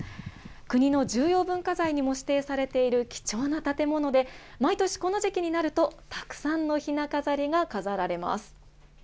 国の重要文化財にも指定されている貴重な建物で、毎年この時期になると、たくさんのひな飾りが飾られます。